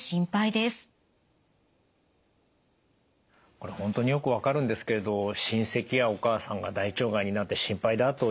これ本当によく分かるんですけれど親戚やお母さんが大腸がんになって心配だというものです。